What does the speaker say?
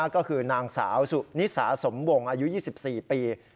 ก็คือนางสาวสุนิสาสมวงอายุ๒๔ปี